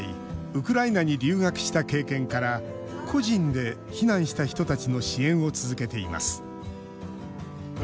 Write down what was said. ウクライナに留学した経験から個人で避難した人たちの支援を続けています。